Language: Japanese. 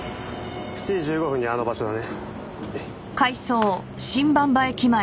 ７時１５分にあの場所だね。